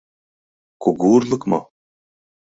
Кугу урлык мо?